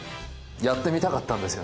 やってみたかったんですよ。